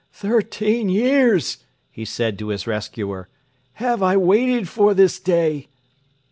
'Thirteen years,' he said to his rescuer, 'have I waited for this day.'